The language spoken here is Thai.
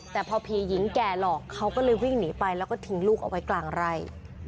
แต่พอผีหญิงแก่หลอกเขาก็เลยวิ่งหนีไปแล้วก็ทิ้งลูกเอาไว้กลางไร่